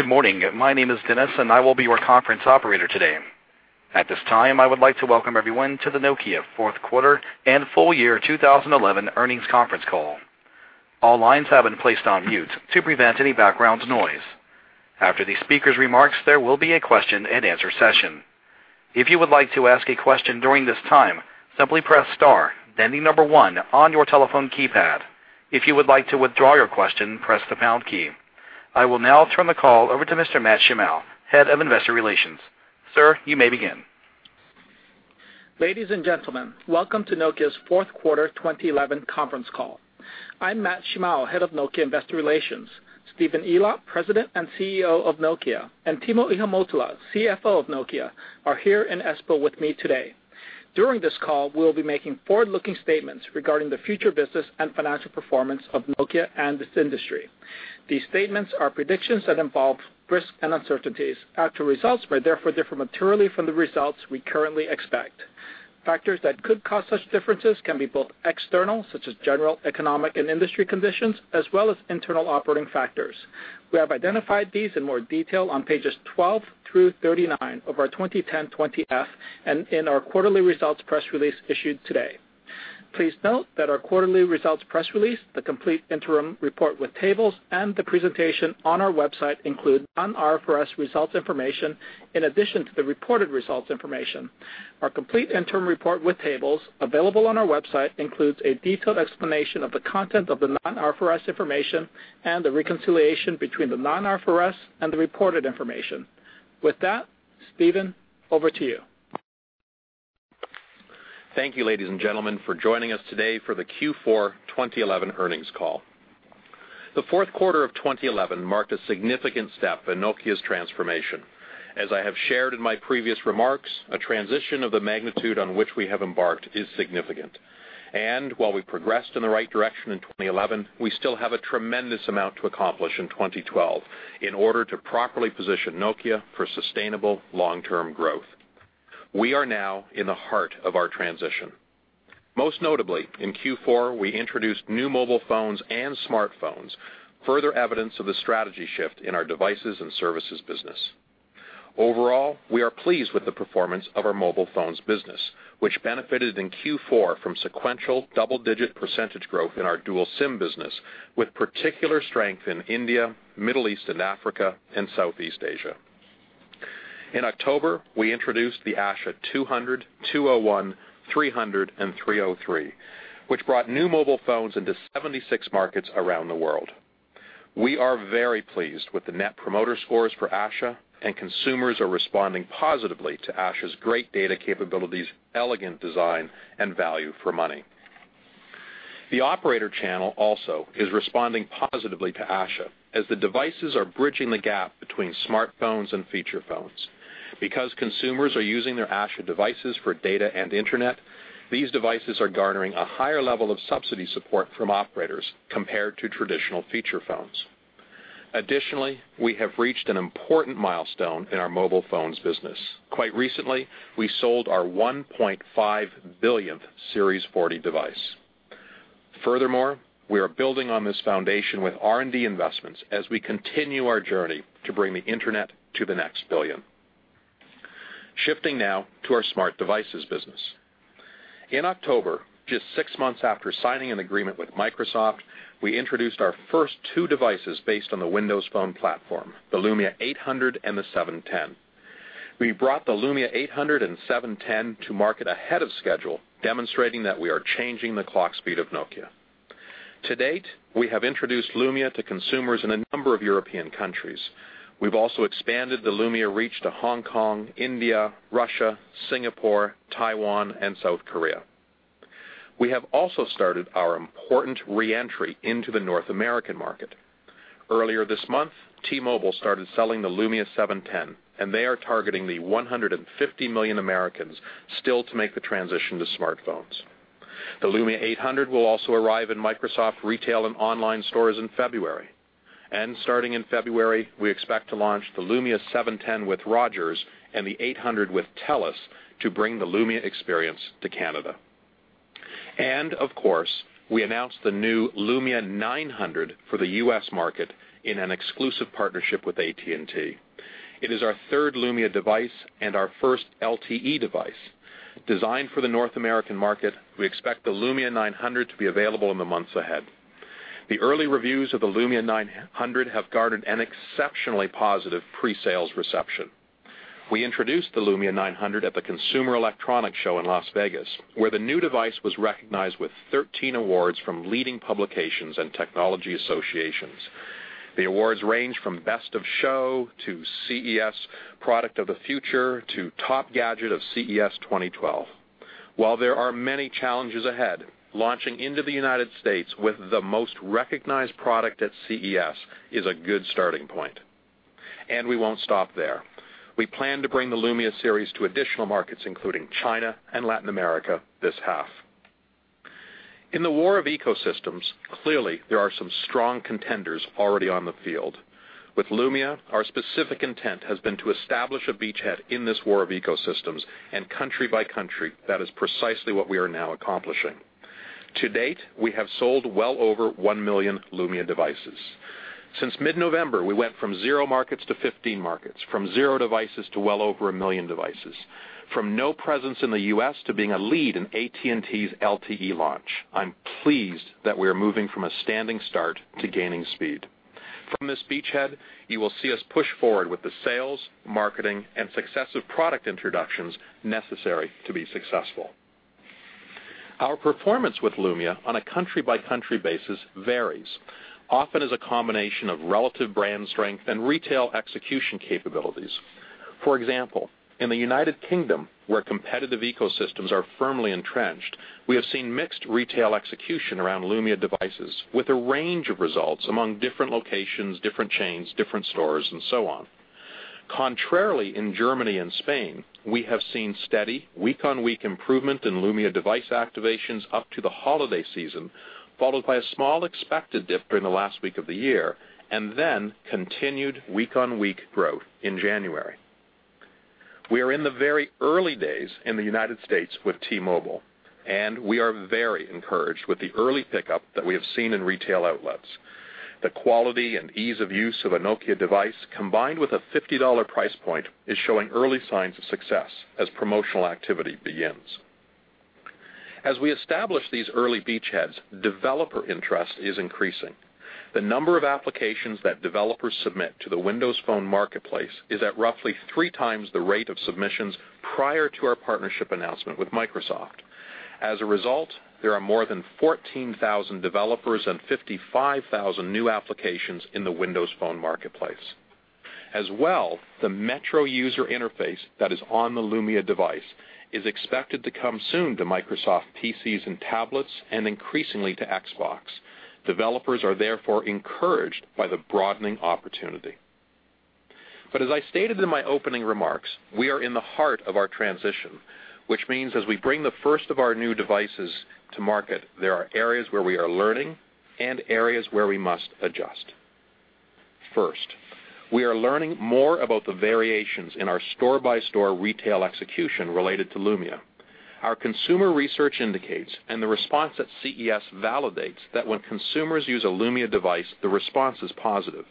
Good morning. My name is Dennis, and I will be your conference operator today. At this time, I would like to welcome everyone to the Nokia Fourth Quarter and Full Year 2011 Earnings Conference Call. All lines have been placed on mute to prevent any background noise. After the speaker's remarks, there will be a question-and-answer session. If you would like to ask a question during this time, simply press star then the number one on your telephone keypad. If you would like to withdraw your question, press the pound key. I will now turn the call over to Mr. Matt Shimao, head of investor relations. Sir, you may begin. Ladies and gentlemen, welcome to Nokia's fourth quarter 2011 conference call. I'm Matt Shimao, Head of Nokia Investor Relations. Stephen Elop, President and CEO of Nokia, and Timo Ihamuotila, CFO of Nokia, are here in Espoo with me today. During this call, we will be making forward-looking statements regarding the future business and financial performance of Nokia and this industry. These statements are predictions that involve risks and uncertainties. Actual results may therefore differ materially from the results we currently expect. Factors that could cause such differences can be both external, such as general economic and industry conditions, as well as internal operating factors. We have identified these in more detail on pages 12 through 39 of our 2010 20-F and in our quarterly results press release issued today. Please note that our quarterly results press release, the complete interim report with tables, and the presentation on our website include non-IFRS results information in addition to the reported results information. Our complete interim report with tables, available on our website, includes a detailed explanation of the content of the non-IFRS information and the reconciliation between the non-IFRS and the reported information. With that, Stephen, over to you. Thank you, ladies and gentlemen, for joining us today for the Q4 2011 earnings call. The fourth quarter of 2011 marked a significant step in Nokia's transformation. As I have shared in my previous remarks, a transition of the magnitude on which we have embarked is significant. While we progressed in the right direction in 2011, we still have a tremendous amount to accomplish in 2012 in order to properly position Nokia for sustainable long-term growth. We are now in the heart of our transition. Most notably, in Q4, we introduced new mobile phones and smartphones, further evidence of the strategy shift in our Devices & Services business. Overall, we are pleased with the performance of our Mobile Phones business, which benefited in Q4 from sequential double-digit % growth in our dual SIM business, with particular strength in India, Middle East, and Africa, and Southeast Asia. In October, we introduced the Asha 200, 201, 300, and 303, which brought new mobile phones into 76 markets around the world. We are very pleased with the Net Promoter Scores for Asha, and consumers are responding positively to Asha's great data capabilities, elegant design, and value for money. The operator channel also is responding positively to Asha, as the devices are bridging the gap between smartphones and feature phones. Because consumers are using their Asha devices for data and internet, these devices are garnering a higher level of subsidy support from operators compared to traditional feature phones. Additionally, we have reached an important milestone in our Mobile Phones business. Quite recently, we sold our 1.5 billionth Series 40 device. Furthermore, we are building on this foundation with R&D investments as we continue our journey to bring the internet to the next billion. Shifting now to our Smart Devices business. In October, just six months after signing an agreement with Microsoft, we introduced our first two devices based on the Windows Phone platform, the Lumia 800 and the 710. We brought the Lumia 800 and 710 to market ahead of schedule, demonstrating that we are changing the clock speed of Nokia. To date, we have introduced Lumia to consumers in a number of European countries. We've also expanded the Lumia reach to Hong Kong, India, Russia, Singapore, Taiwan, and South Korea. We have also started our important re-entry into the North American market. Earlier this month, T-Mobile started selling the Lumia 710, and they are targeting the 150 million Americans still to make the transition to smartphones. The Lumia 800 will also arrive in Microsoft retail and online stores in February. Starting in February, we expect to launch the Lumia 710 with Rogers and the 800 with Telus to bring the Lumia experience to Canada. Of course, we announced the new Lumia 900 for the U.S. market in an exclusive partnership with AT&T. It is our third Lumia device and our first LTE device. Designed for the North American market, we expect the Lumia 900 to be available in the months ahead. The early reviews of the Lumia 900 have garnered an exceptionally positive pre-sales reception. We introduced the Lumia 900 at the Consumer Electronics Show in Las Vegas, where the new device was recognized with 13 awards from leading publications and technology associations. The awards range from Best of Show to CES Product of the Future to Top Gadget of CES 2012. While there are many challenges ahead, launching into the United States with the most recognized product at CES is a good starting point. We won't stop there. We plan to bring the Lumia series to additional markets, including China and Latin America, this half. In the war of ecosystems, clearly there are some strong contenders already on the field. With Lumia, our specific intent has been to establish a beachhead in this war of ecosystems and country by country. That is precisely what we are now accomplishing. To date, we have sold well over 1 million Lumia devices. Since mid-November, we went from zero markets to 15 markets, from zero devices to well over 1 million devices, from no presence in the U.S. to being a lead in AT&T's LTE launch. I'm pleased that we are moving from a standing start to gaining speed. From this beachhead, you will see us push forward with the sales, marketing, and successive product introductions necessary to be successful. Our performance with Lumia on a country by country basis varies, often as a combination of relative brand strength and retail execution capabilities. For example, in the United Kingdom, where competitive ecosystems are firmly entrenched, we have seen mixed retail execution around Lumia devices, with a range of results among different locations, different chains, different stores, and so on. Contrarily, in Germany and Spain, we have seen steady, week-on-week improvement in Lumia device activations up to the holiday season, followed by a small expected dip during the last week of the year, and then continued week-on-week growth in January. We are in the very early days in the United States with T-Mobile, and we are very encouraged with the early pickup that we have seen in retail outlets. The quality and ease of use of a Nokia device, combined with a $50 price point, is showing early signs of success as promotional activity begins. As we establish these early beachheads, developer interest is increasing. The number of applications that developers submit to the Windows Phone Marketplace is at roughly three times the rate of submissions prior to our partnership announcement with Microsoft. As a result, there are more than 14,000 developers and 55,000 new applications in the Windows Phone Marketplace. As well, the Metro user interface that is on the Lumia device is expected to come soon to Microsoft PCs and tablets, and increasingly to Xbox. Developers are therefore encouraged by the broadening opportunity. As I stated in my opening remarks, we are in the heart of our transition, which means as we bring the first of our new devices to market, there are areas where we are learning and areas where we must adjust. First, we are learning more about the variations in our store-by-store retail execution related to Lumia. Our consumer research indicates, and the response at CES validates, that when consumers use a Lumia device, the response is positive.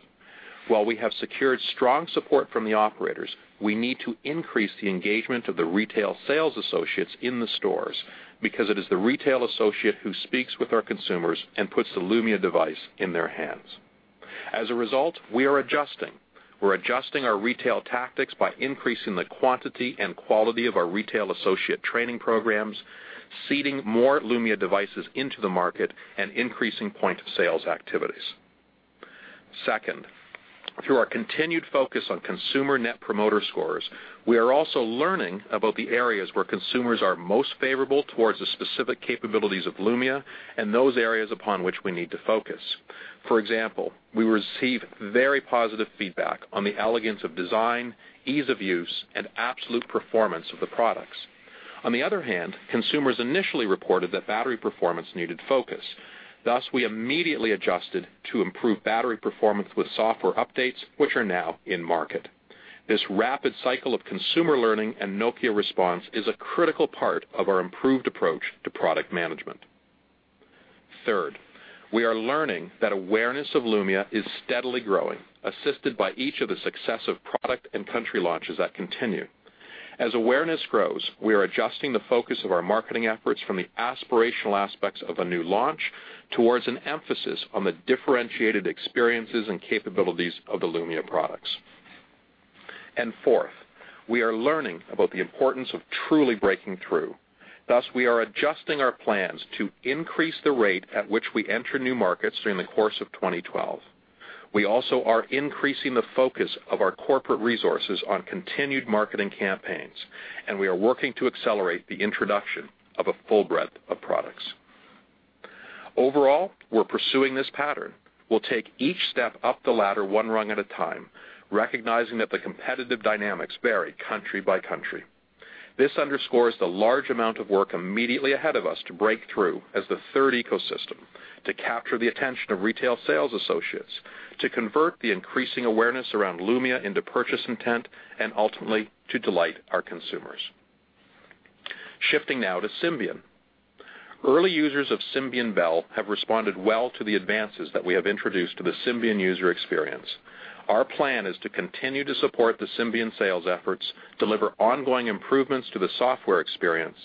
While we have secured strong support from the operators, we need to increase the engagement of the retail sales associates in the stores because it is the retail associate who speaks with our consumers and puts the Lumia device in their hands. As a result, we are adjusting. We're adjusting our retail tactics by increasing the quantity and quality of our retail associate training programs, seeding more Lumia devices into the market, and increasing point of sales activities. Second, through our continued focus on consumer Net Promoter Scores, we are also learning about the areas where consumers are most favorable towards the specific capabilities of Lumia and those areas upon which we need to focus. For example, we receive very positive feedback on the elegance of design, ease of use, and absolute performance of the products. On the other hand, consumers initially reported that battery performance needed focus. Thus, we immediately adjusted to improve battery performance with software updates, which are now in market. This rapid cycle of consumer learning and Nokia response is a critical part of our improved approach to product management. Third, we are learning that awareness of Lumia is steadily growing, assisted by each of the successive product and country launches that continue. As awareness grows, we are adjusting the focus of our marketing efforts from the aspirational aspects of a new launch toward an emphasis on the differentiated experiences and capabilities of the Lumia products. And fourth, we are learning about the importance of truly breaking through. Thus, we are adjusting our plans to increase the rate at which we enter new markets during the course of 2012. We also are increasing the focus of our corporate resources on continued marketing campaigns, and we are working to accelerate the introduction of a full breadth of products. Overall, we're pursuing this pattern. We'll take each step up the ladder one rung at a time, recognizing that the competitive dynamics vary country by country. This underscores the large amount of work immediately ahead of us to break through as the third ecosystem, to capture the attention of retail sales associates, to convert the increasing awareness around Lumia into purchase intent, and ultimately to delight our consumers. Shifting now to Symbian. Early users of Symbian Belle have responded well to the advances that we have introduced to the Symbian user experience. Our plan is to continue to support the Symbian sales efforts, deliver ongoing improvements to the software experience,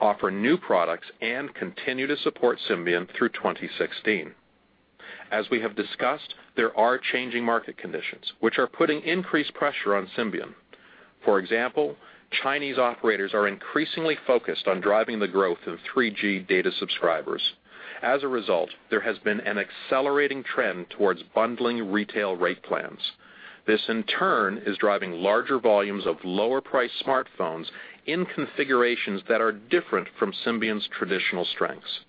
offer new products, and continue to support Symbian through 2016. As we have discussed, there are changing market conditions, which are putting increased pressure on Symbian. For example, Chinese operators are increasingly focused on driving the growth in 3G data subscribers. As a result, there has been an accelerating trend towards bundling retail rate plans. This, in turn, is driving larger volumes of lower-priced smartphones in configurations that are different from Symbian's traditional strengths.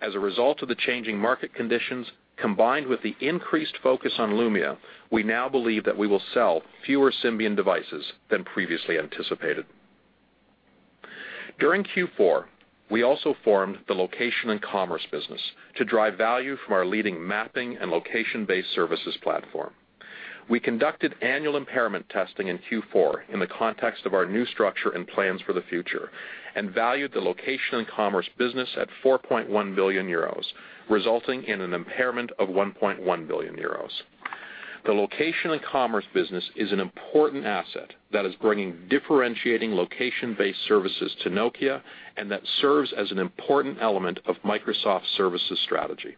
As a result of the changing market conditions, combined with the increased focus on Lumia, we now believe that we will sell fewer Symbian devices than previously anticipated. During Q4, we also formed the Location & Commerce business to drive value from our leading mapping and location-based services platform. We conducted annual impairment testing in Q4 in the context of our new structure and plans for the future, and valued the Location & Commerce business at 4.1 billion euros, resulting in an impairment of 1.1 billion euros. The Location & Commerce business is an important asset that is bringing differentiating location-based services to Nokia and that serves as an important element of Microsoft services strategy.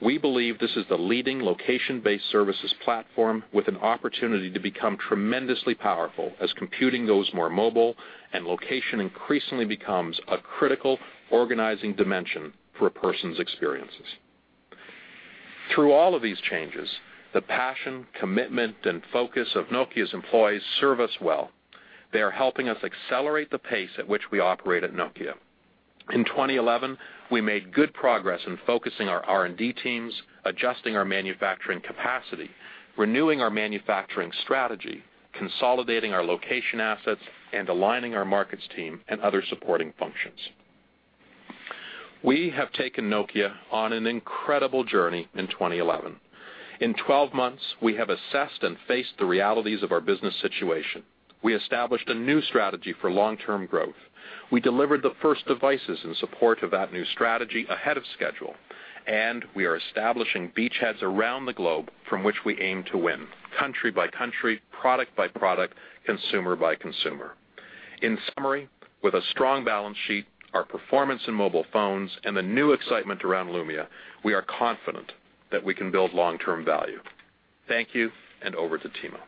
We believe this is the leading location-based services platform with an opportunity to become tremendously powerful as computing goes more mobile, and location increasingly becomes a critical organizing dimension for a person's experiences. Through all of these changes, the passion, commitment, and focus of Nokia's employees serve us well. They are helping us accelerate the pace at which we operate at Nokia. In 2011, we made good progress in focusing our R&D teams, adjusting our manufacturing capacity, renewing our manufacturing strategy, consolidating our location assets, and aligning our markets team and other supporting functions. We have taken Nokia on an incredible journey in 2011. In 12 months, we have assessed and faced the realities of our business situation. We established a new strategy for long-term growth. We delivered the first devices in support of that new strategy ahead of schedule, and we are establishing beachheads around the globe from which we aim to win, country by country, product by product, consumer by consumer. In summary, with a strong balance sheet, our performance in mobile phones, and the new excitement around Lumia, we are confident that we can build long-term value. Thank you, and over to Timo.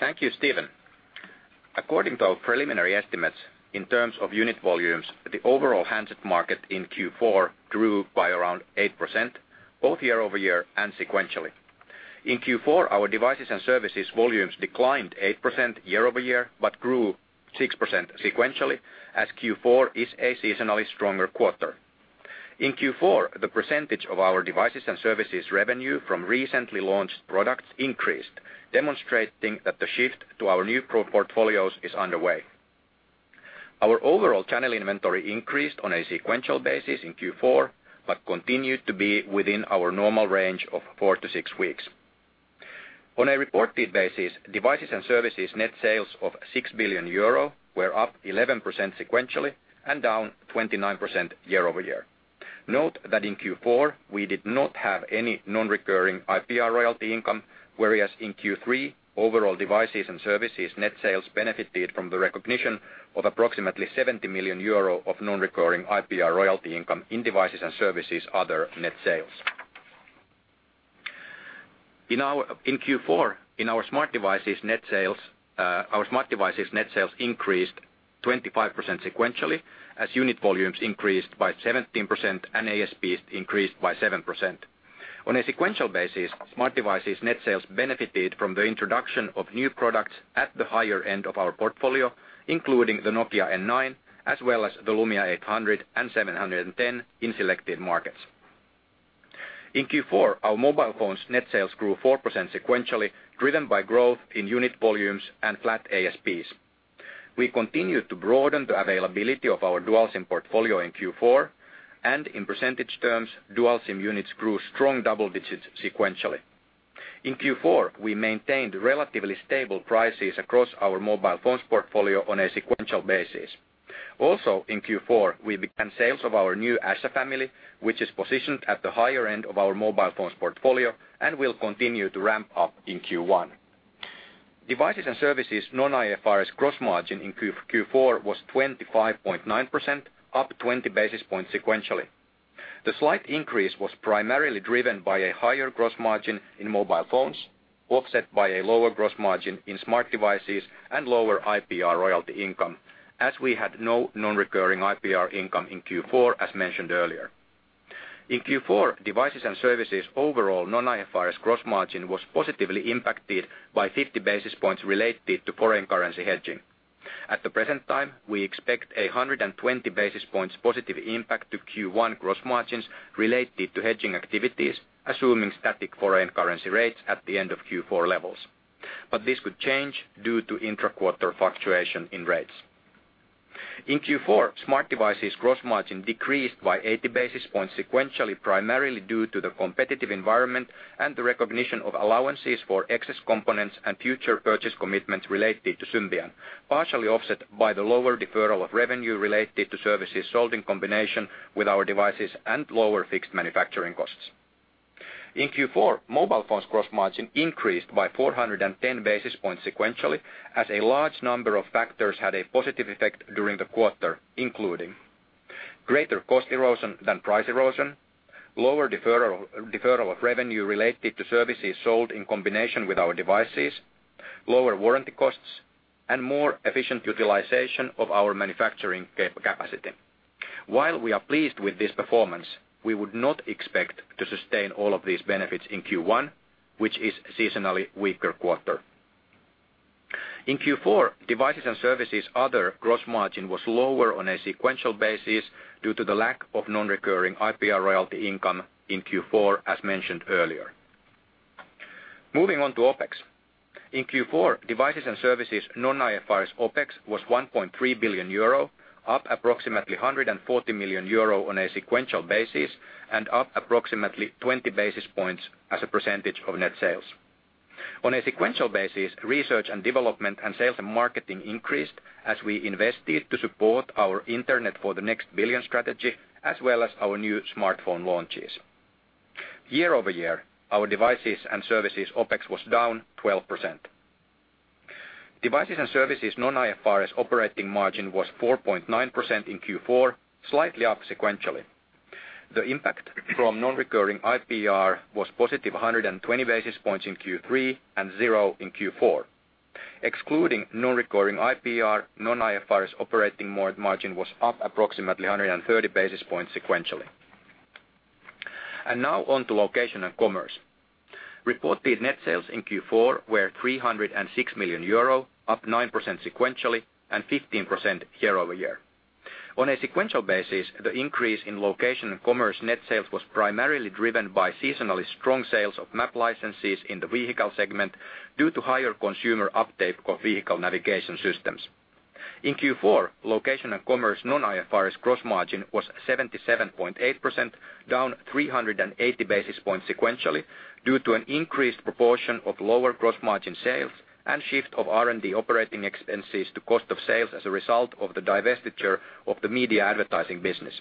Thank you, Stephen. According to preliminary estimates, in terms of unit volumes, the overall handset market in Q4 grew by around 8%, both year-over-year and sequentially. In Q4, our Devices & Services volumes declined 8% year-over-year but grew 6% sequentially as Q4 is a seasonally stronger quarter. In Q4, the percentage of our Devices & Services revenue from recently launched products increased, demonstrating that the shift to our new portfolios is underway. Our overall channel inventory increased on a sequential basis in Q4 but continued to be within our normal range of four to six weeks. On a reported basis, Devices & Services net sales of 6 billion euro were up 11% sequentially and down 29% year-over-year. Note that in Q4, we did not have any non-recurring IPR royalty income, whereas in Q3, overall Devices & Services net sales benefited from the recognition of approximately 70 million euro of non-recurring IPR royalty income in Devices & Services other net sales. In Q4, our Smart Devices net sales increased 25% sequentially as unit volumes increased by 17% and ASPs increased by 7%. On a sequential basis, Smart Devices net sales benefited from the introduction of new products at the higher end of our portfolio, including the Nokia N9 as well as the Lumia 800 and 710 in selected markets. In Q4, our mobile phones net sales grew 4% sequentially, driven by growth in unit volumes and flat ASPs. We continued to broaden the availability of our dual SIM portfolio in Q4, and in percentage terms, dual SIM units grew strong double digits sequentially. In Q4, we maintained relatively stable prices across our Mobile Phones portfolio on a sequential basis. Also, in Q4, we began sales of our new Asha family, which is positioned at the higher end of our Mobile Phones portfolio and will continue to ramp up in Q1. Devices & Services non-IFRS gross margin in Q4 was 25.9%, up 20 basis points sequentially. The slight increase was primarily driven by a higher gross margin in mobile phones, offset by a lower gross margin in Smart Devices and lower IPR royalty income, as we had no non-recurring IPR income in Q4, as mentioned earlier. In Q4, Devices & Services overall non-IFRS gross margin was positively impacted by 50 basis points related to foreign currency hedging. At the present time, we expect a 120 basis points positive impact to Q1 gross margins related to hedging activities, assuming static foreign currency rates at the end of Q4 levels, but this could change due to inter-quarter fluctuation in rates. In Q4, Smart Devices gross margin decreased by 80 basis points sequentially, primarily due to the competitive environment and the recognition of allowances for excess components and future purchase commitments related to Symbian, partially offset by the lower deferral of revenue related to services sold in combination with our devices and lower fixed manufacturing costs. In Q4, mobile phones gross margin increased by 410 basis points sequentially as a large number of factors had a positive effect during the quarter, including greater cost erosion than price erosion, lower deferral of revenue related to services sold in combination with our devices, lower warranty costs, and more efficient utilization of our manufacturing capacity. While we are pleased with this performance, we would not expect to sustain all of these benefits in Q1, which is seasonally weaker quarter. In Q4, Devices & Services other gross margin was lower on a sequential basis due to the lack of non-recurring IPR royalty income in Q4, as mentioned earlier. Moving on to OpEx. In Q4, Devices & Services non-IFRS OpEx was 1.3 billion euro, up approximately 140 million euro on a sequential basis and up approximately 20 basis points as a percentage of net sales. On a sequential basis, research and development and sales and marketing increased as we invested to support our Internet for the Next Billion strategy as well as our new smartphone launches. Year-over-year, our Devices & Services OpEx was down 12%. Devices & Services non-IFRS operating margin was 4.9% in Q4, slightly up sequentially. The impact from non-recurring IPR was positive 120 basis points in Q3 and zero in Q4. Excluding non-recurring IPR, non-IFRS operating margin was up approximately 130 basis points sequentially. Now on to Location & Commerce. Reported net sales in Q4 were EUR 306 million, up 9% sequentially and 15% year-over-year. On a sequential basis, the increase in Location & Commerce net sales was primarily driven by seasonally strong sales of map licenses in the vehicle segment due to higher consumer uptake of vehicle navigation systems. In Q4, Location & Commerce non-IFRS gross margin was 77.8%, down 380 basis points sequentially due to an increased proportion of lower gross margin sales and shift of R&D operating expenses to cost of sales as a result of the divestiture of the media advertising business.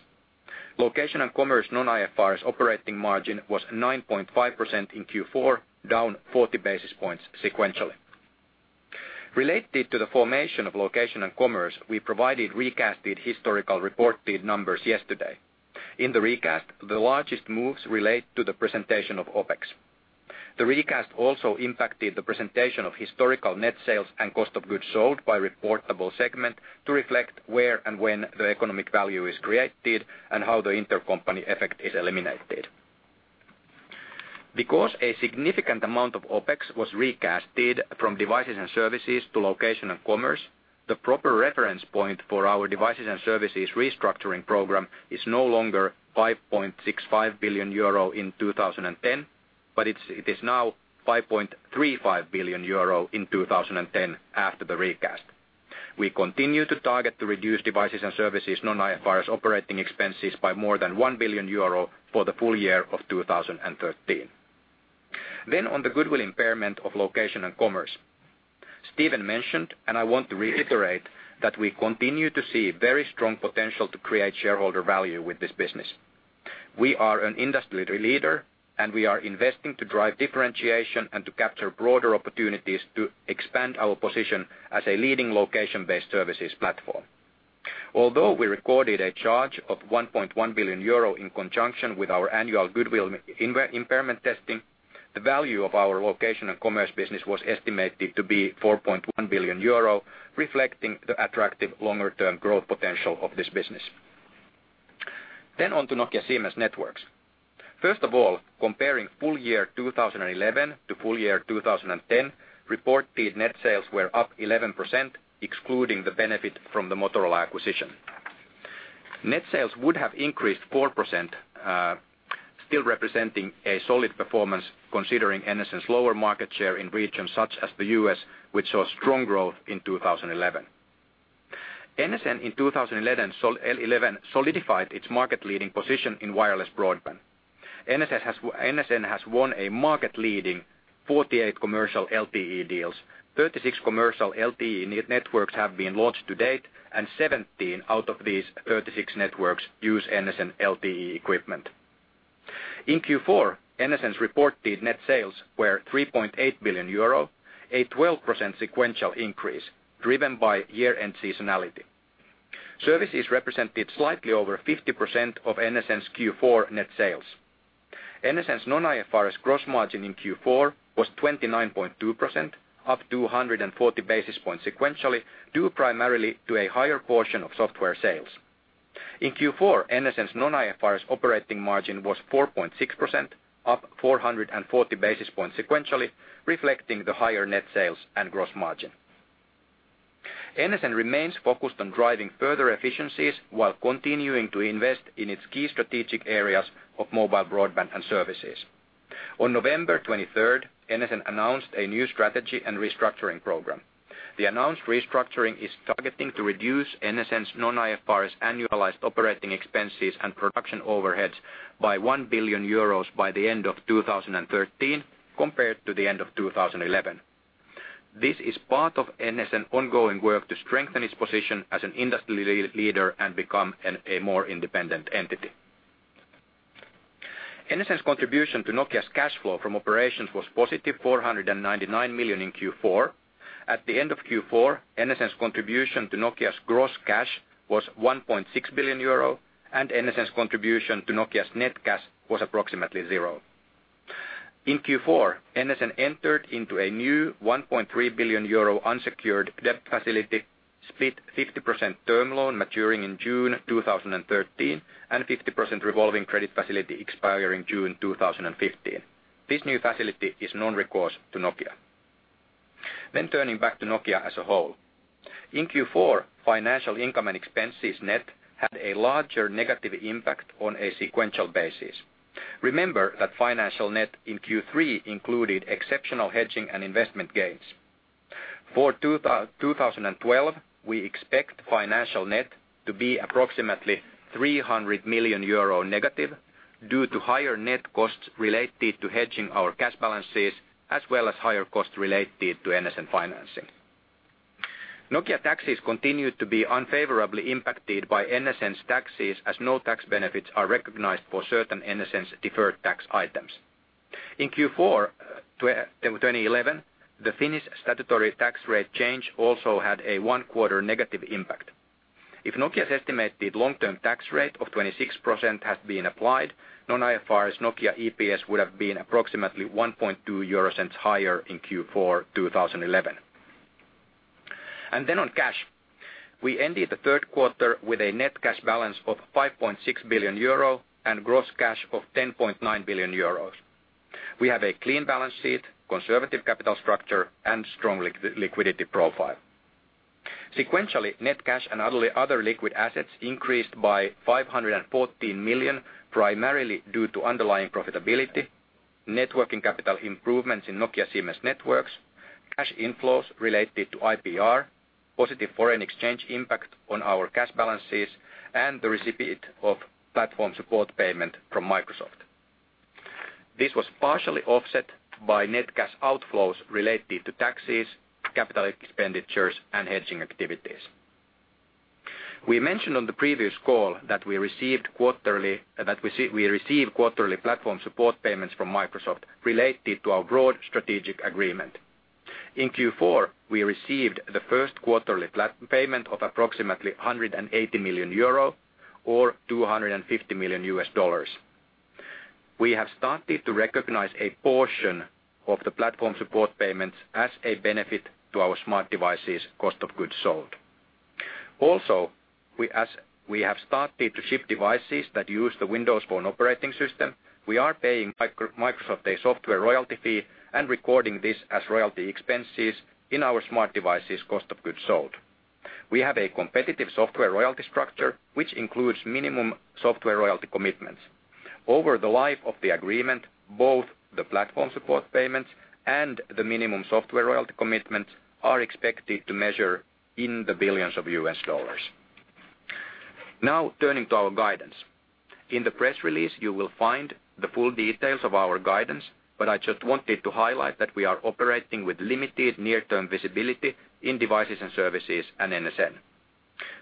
Location & Commerce non-IFRS operating margin was 9.5% in Q4, down 40 basis points sequentially. Related to the formation of Location & Commerce, we provided recast historical reported numbers yesterday. In the recast, the largest moves relate to the presentation of OpEx. The recast also impacted the presentation of historical net sales and cost of goods sold by reportable segment to reflect where and when the economic value is created and how the intercompany effect is eliminated. Because a significant amount of OpEx was recast from Devices & Services to Location & Commerce, the proper reference point for our Devices & Services restructuring program is no longer 5.65 billion euro in 2010, but it is now 5.35 billion euro in 2010 after the recast. We continue to target to reduce Devices & Services non-IFRS operating expenses by more than 1 billion euro for the full year of 2013. Then, on the goodwill impairment of Location & Commerce, Stephen mentioned, and I want to reiterate, that we continue to see very strong potential to create shareholder value with this business. We are an industry leader, and we are investing to drive differentiation and to capture broader opportunities to expand our position as a leading location-based services platform. Although we recorded a charge of 1.1 billion euro in conjunction with our annual goodwill impairment testing, the value of our Location & Commerce business was estimated to be 4.1 billion euro, reflecting the attractive longer-term growth potential of this business. Then, on to Nokia Siemens Networks. First of all, comparing full year 2011 to full year 2010, reported net sales were up 11%, excluding the benefit from the Motorola acquisition. Net sales would have increased 4%, still representing a solid performance considering NSN's lower market share in regions such as the U.S., which saw strong growth in 2011. NSN in 2011 solidified its market-leading position in wireless broadband. NSN has won a market-leading 48 commercial LTE deals, 36 commercial LTE networks have been launched to date, and 17 out of these 36 networks use NSN LTE equipment. In Q4, NSN's reported net sales were 3.8 billion euro, a 12% sequential increase driven by year-end seasonality. Services represented slightly over 50% of NSN's Q4 net sales. NSN's non-IFRS gross margin in Q4 was 29.2%, up 240 basis points sequentially due primarily to a higher portion of software sales. In Q4, NSN's non-IFRS operating margin was 4.6%, up 440 basis points sequentially, reflecting the higher net sales and gross margin. NSN remains focused on driving further efficiencies while continuing to invest in its key strategic areas of mobile broadband and services. On November 23rd, NSN announced a new strategy and restructuring program. The announced restructuring is targeting to reduce NSN's non-IFRS annualized operating expenses and production overheads by 1 billion euros by the end of 2013 compared to the end of 2011. This is part of NSN's ongoing work to strengthen its position as an industry leader and become a more independent entity. NSN's contribution to Nokia's cash flow from operations was positive 499 million in Q4. At the end of Q4, NSN's contribution to Nokia's gross cash was 1.6 billion euro, and NSN's contribution to Nokia's net cash was approximately zero. In Q4, NSN entered into a new 1.3 billion euro unsecured debt facility, split 50% term loan maturing in June 2013 and 50% revolving credit facility expiring June 2015. This new facility is non-recourse to Nokia. Then, turning back to Nokia as a whole. In Q4, financial income and expenses net had a larger negative impact on a sequential basis. Remember that financial net in Q3 included exceptional hedging and investment gains. For 2012, we expect financial net to be approximately 300 million euro negative due to higher net costs related to hedging our cash balances as well as higher costs related to NSN financing. Nokia taxes continue to be unfavorably impacted by NSN's taxes as no tax benefits are recognized for certain NSN's deferred tax items. In Q4 2011, the Finnish statutory tax rate change also had a one-quarter negative impact. If Nokia's estimated long-term tax rate of 26% has been applied, non-IFRS Nokia EPS would have been approximately 0.012 higher in Q4 2011. On cash, we ended the third quarter with a net cash balance of 5.6 billion euro and gross cash of 10.9 billion euros. We have a clean balance sheet, conservative capital structure, and strong liquidity profile. Sequentially, net cash and other liquid assets increased by 514 million primarily due to underlying profitability, working capital improvements in Nokia Siemens Networks, cash inflows related to IPR, positive foreign exchange impact on our cash balances, and the receipt of platform support payments from Microsoft. This was partially offset by net cash outflows related to taxes, capital expenditures, and hedging activities. We mentioned on the previous call that we received quarterly platform support payments from Microsoft related to our broad strategic agreement. In Q4, we received the first quarterly payment of approximately 180 million euro or $250 million. We have started to recognize a portion of the platform support payments as a benefit to our Smart Devices cost of goods sold. Also, we have started to ship devices that use the Windows Phone operating system. We are paying Microsoft a software royalty fee and recording this as royalty expenses in our Smart Devices cost of goods sold. We have a competitive software royalty structure, which includes minimum software royalty commitments. Over the life of the agreement, both the platform support payments and the minimum software royalty commitments are expected to measure in the billions of US dollars. Now, turning to our guidance. In the press release, you will find the full details of our guidance, but I just wanted to highlight that we are operating with limited near-term visibility in Devices & Services and NSN.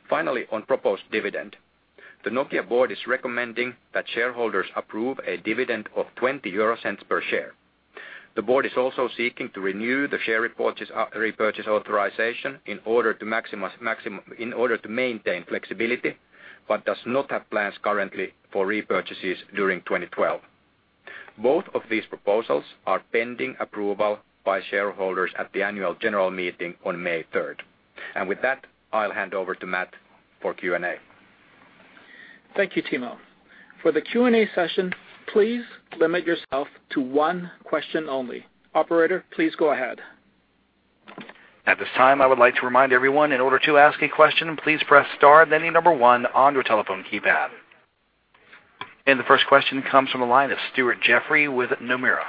Finally, on proposed dividend, the Nokia board is recommending that shareholders approve a dividend of 0.20 per share. The board is also seeking to renew the share repurchase authorization in order to maintain flexibility, but does not have plans currently for repurchases during 2012. Both of these proposals are pending approval by shareholders at the annual general meeting on May 3rd, and with that, I'll hand over to Matt for Q&A. Thank you, Timo. For the Q&A session, please limit yourself to one question only. Operator, please go ahead. At this time, I would like to remind everyone, in order to ask a question, please press star and then the number one on your telephone keypad. And the first question comes from a line of Stuart Jeffrey with Nomura.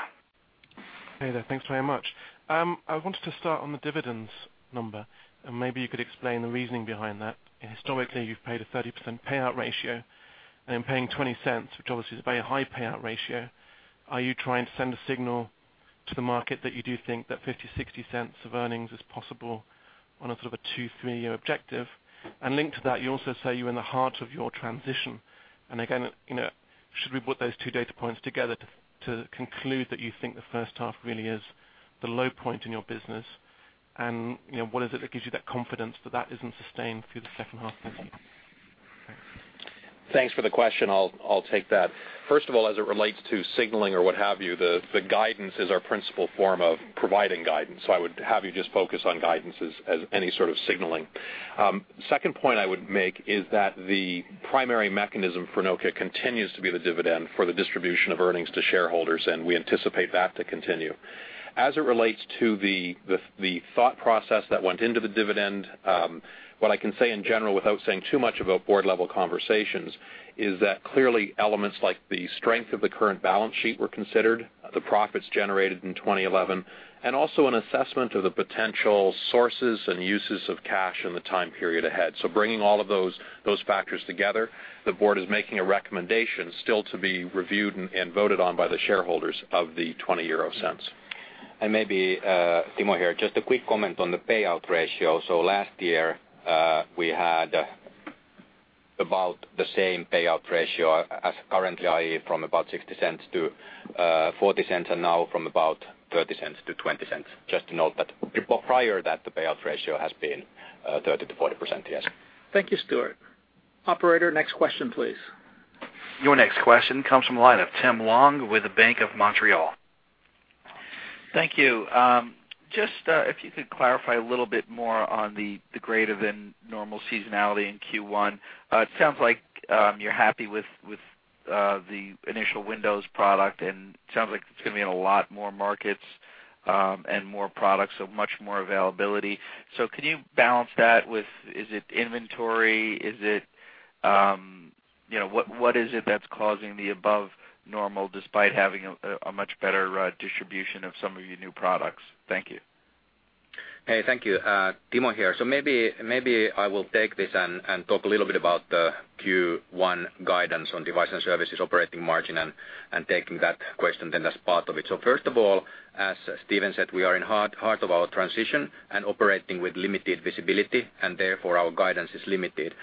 Hey there. Thanks very much. I wanted to start on the dividends number, and maybe you could explain the reasoning behind that. Historically, you've paid a 30% payout ratio, and in paying 0.20, which obviously is a very high payout ratio, are you trying to send a signal to the market that you do think that 0.50, 0.60 of earnings is possible on a sort of a two, three-year objective? And linked to that, you also say you're in the heart of your transition. And again, should we put those two data points together to conclude that you think the first half really is the low point in your business, and what is it that gives you that confidence that that isn't sustained through the second half? Thank you. Thanks for the question. I'll take that. First of all, as it relates to signaling or what have you, the guidance is our principal form of providing guidance, so I would have you just focus on guidance as any sort of signaling. Second point I would make is that the primary mechanism for Nokia continues to be the dividend for the distribution of earnings to shareholders, and we anticipate that to continue. As it relates to the thought process that went into the dividend, what I can say in general without saying too much about board-level conversations is that clearly, elements like the strength of the current balance sheet were considered, the profits generated in 2011, and also an assessment of the potential sources and uses of cash in the time period ahead. So bringing all of those factors together, the board is making a recommendation still to be reviewed and voted on by the shareholders of 0.20. And maybe, Timo here, just a quick comment on the payout ratio. So last year, we had about the same payout ratio as currently, i.e., from about 0.60 to 0.40 and now from about 0.30 to 0.20. Just to note that prior to that, the payout ratio has been 30%-40%, yes. Thank you, Stuart. Operator, next question, please. Your next question comes from a line of Tim Long with the Bank of Montreal. Thank you. Just if you could clarify a little bit more on the greater-than-normal seasonality in Q1. It sounds like you're happy with the initial Windows product, and it sounds like it's going to be in a lot more markets and more products, so much more availability. So can you balance that with is it inventory? Is it what is it that's causing the above-normal despite having a much better distribution of some of your new products? Thank you. Hey, thank you. Timo here. So maybe I will take this and talk a little bit about the Q1 guidance on device and services operating margin and taking that question then as part of it. So first of all, as Stephen said, we are in the heart of our transition and operating with limited visibility, and therefore, our guidance is limited.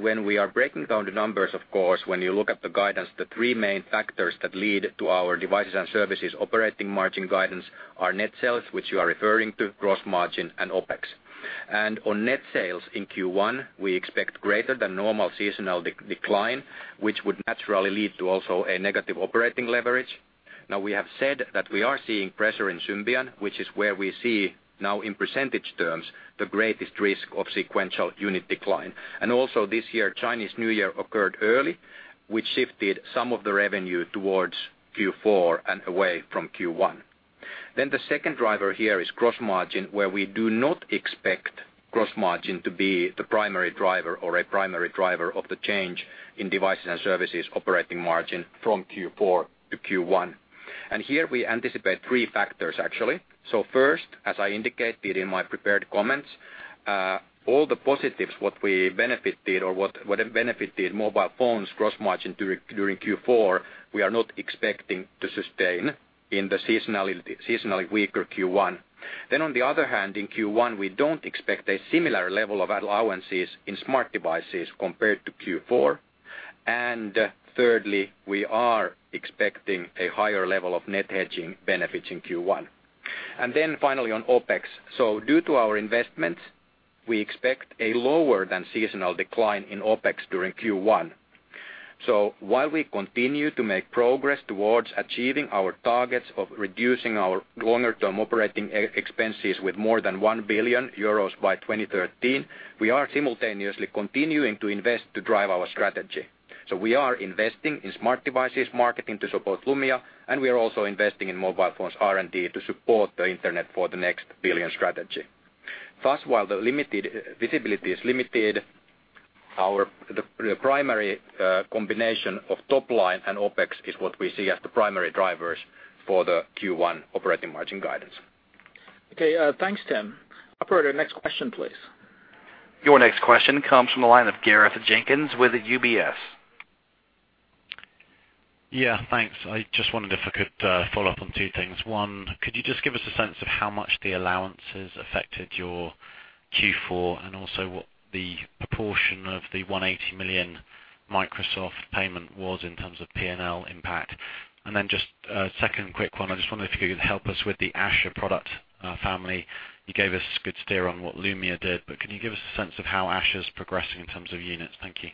When we are breaking down the numbers, of course, when you look at the guidance, the three main factors that lead to our Devices & Services operating margin guidance are net sales, which you are referring to, gross margin, and OpEx. On net sales in Q1, we expect greater-than-normal seasonal decline, which would naturally lead to also a negative operating leverage. Now, we have said that we are seeing pressure in Symbian, which is where we see now, in percentage terms, the greatest risk of sequential unit decline. Also, this year, Chinese New Year occurred early, which shifted some of the revenue towards Q4 and away from Q1. Then the second driver here is gross margin, where we do not expect gross margin to be the primary driver or a primary driver of the change in Devices & Services operating margin from Q4 to Q1. Here, we anticipate three factors, actually. First, as I indicated in my prepared comments, all the positives, what we benefited or what benefited mobile phones gross margin during Q4, we are not expecting to sustain in the seasonally weaker Q1. On the other hand, in Q1, we don't expect a similar level of allowances in Smart Devices compared to Q4. Thirdly, we are expecting a higher level of net hedging benefits in Q1. Finally, on OpEx. Due to our investments, we expect a lower-than-seasonal decline in OpEx during Q1. While we continue to make progress towards achieving our targets of reducing our longer-term operating expenses with more than 1 billion euros by 2013, we are simultaneously continuing to invest to drive our strategy. So we are investing in Smart Devices marketing to support Lumia, and we are also investing in mobile phones R&D to support the internet for the next billion strategy. Thus, while the limited visibility is limited, the primary combination of top line and OpEx is what we see as the primary drivers for the Q1 operating margin guidance. Okay. Thanks, Tim. Operator, next question, please. Your next question comes from a line of Gareth Jenkins with UBS. Yeah, thanks. I just wanted if I could follow up on two things. One, could you just give us a sense of how much the allowances affected your Q4 and also what the proportion of the 180 million Microsoft payment was in terms of P&L impact? And then just a second quick one. I just wondered if you could help us with the Asha product family. You gave us a good steer on what Lumia did, but can you give us a sense of how Asha's progressing in terms of units? Thank you.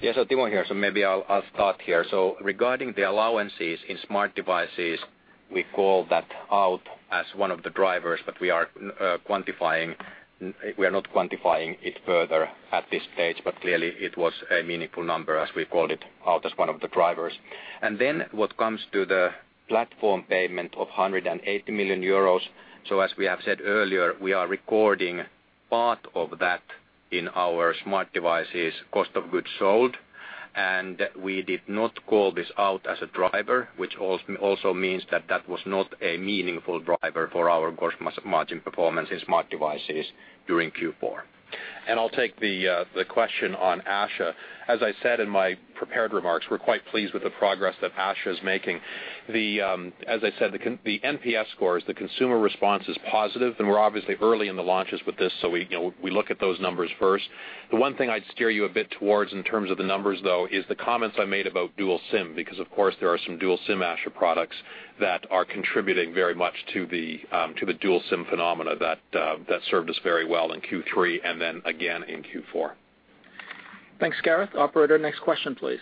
Yeah, so Timo here. So maybe I'll start here. So regarding the allowances in Smart Devices, we call that out as one of the drivers, but we are quantifying we are not quantifying it further at this stage, but clearly, it was a meaningful number as we called it out as one of the drivers. And then what comes to the platform payment of 180 million euros, so as we have said earlier, we are recording part of that in our Smart Devices cost of goods sold, and we did not call this out as a driver, which also means that that was not a meaningful driver for our gross margin performance in Smart Devices during Q4. And I'll take the question on Asha. As I said in my prepared remarks, we're quite pleased with the progress that Asha's making. As I said, the NPS scores, the consumer response is positive, and we're obviously early in the launches with this, so we look at those numbers first. The one thing I'd steer you a bit towards in terms of the numbers, though, is the comments I made about dual SIM because, of course, there are some dual SIM Asha products that are contributing very much to the dual SIM phenomena that served us very well in Q3 and then again in Q4. Thanks, Gareth. Operator, next question, please.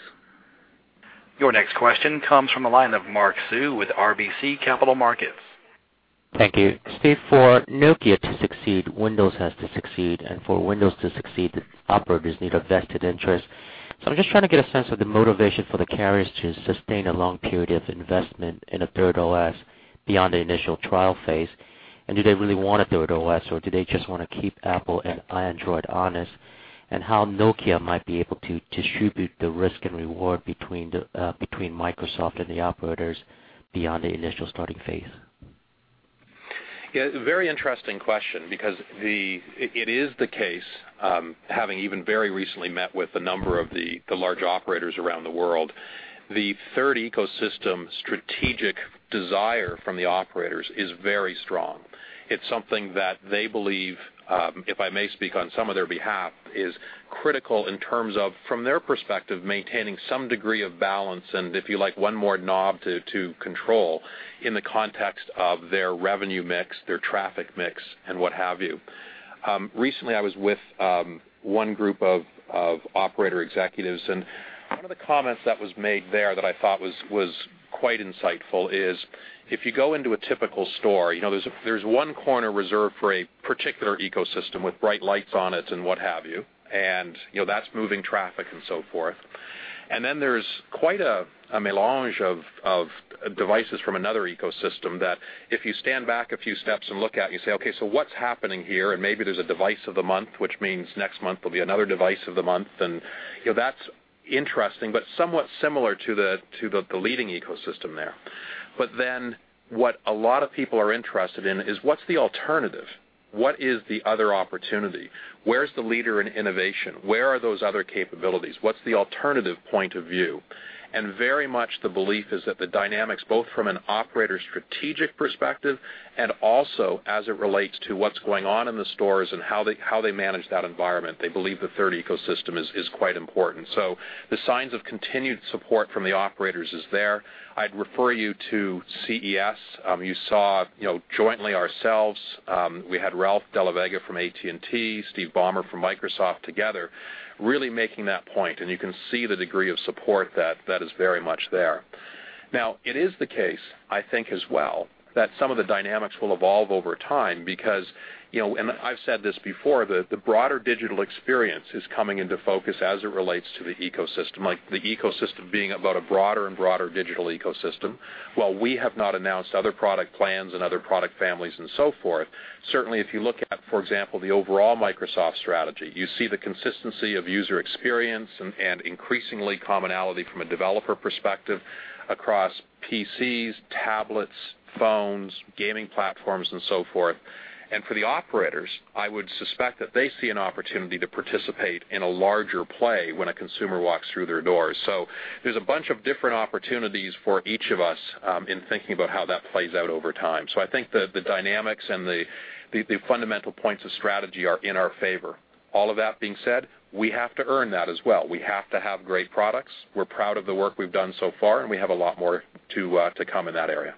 Your next question comes from a line of Mark Sue with RBC Capital Markets. Thank you, Steph. For Nokia to succeed, Windows has to succeed, and for Windows to succeed, the operators need a vested interest. So I'm just trying to get a sense of the motivation for the carriers to sustain a long period of investment in a third OS beyond the initial trial phase. And do they really want a third OS, or do they just want to keep Apple and Android honest, and how Nokia might be able to distribute the risk and reward between Microsoft and the operators beyond the initial starting phase? Yeah, very interesting question because it is the case, having even very recently met with a number of the large operators around the world, the third ecosystem strategic desire from the operators is very strong. It's something that they believe, if I may speak on some of their behalf, is critical in terms of, from their perspective, maintaining some degree of balance and, if you like, one more knob to control in the context of their revenue mix, their traffic mix, and what have you. Recently, I was with one group of operator executives, and one of the comments that was made there that I thought was quite insightful is if you go into a typical store, there's one corner reserved for a particular ecosystem with bright lights on it and what have you, and that's moving traffic and so forth. And then there's quite a mélange of devices from another ecosystem that if you stand back a few steps and look at and you say, "Okay, so what's happening here?" And maybe there's a device of the month, which means next month will be another device of the month, and that's interesting but somewhat similar to the leading ecosystem there. But then what a lot of people are interested in is what's the alternative? What is the other opportunity? Where's the leader in innovation? Where are those other capabilities? What's the alternative point of view? And very much the belief is that the dynamics, both from an operator strategic perspective and also as it relates to what's going on in the stores and how they manage that environment, they believe the third ecosystem is quite important. So the signs of continued support from the operators is there. I'd refer you to CES. You saw jointly ourselves. We had Ralph de la Vega from AT&T, Steve Ballmer from Microsoft together really making that point, and you can see the degree of support that is very much there. Now, it is the case, I think as well, that some of the dynamics will evolve over time because and I've said this before, the broader digital experience is coming into focus as it relates to the ecosystem, the ecosystem being about a broader and broader digital ecosystem. While we have not announced other product plans and other product families and so forth, certainly, if you look at, for example, the overall Microsoft strategy, you see the consistency of user experience and increasingly commonality from a developer perspective across PCs, tablets, phones, gaming platforms, and so forth. And for the operators, I would suspect that they see an opportunity to participate in a larger play when a consumer walks through their doors. So there's a bunch of different opportunities for each of us in thinking about how that plays out over time. So I think the dynamics and the fundamental points of strategy are in our favor. All of that being said, we have to earn that as well. We have to have great products. We're proud of the work we've done so far, and we have a lot more to come in that area.